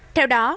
ừ theo đó